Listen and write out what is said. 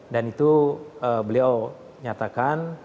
dan itu beliau nyatakan